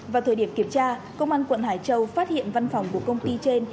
vào thời điểm kiểm tra công an quận hải châu phát hiện văn phòng của công ty trên